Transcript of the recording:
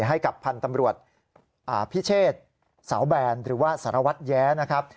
ให้กับพันธ์ตำรวจพิเชษสาวแบนหรือว่าสารวัตรแย้นะครับ